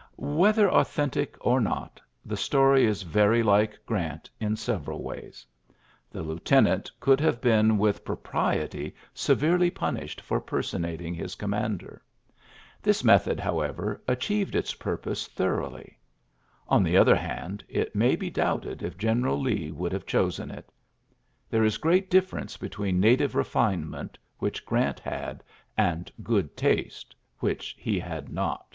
'' Whether authentic or not, the story is very like Grant in several ways. The lieutenant could have been with propriety severely 11 oidiy v;oL^ 46 ULYSSES S. GRANT pnnished for personating his commander. This method; however, achieved its pur pose thoroughly. On the other hand^ it may be doubted if General Lee would have chosen it There is great difference between native refinement, which Grant had, and good taste, which he had not.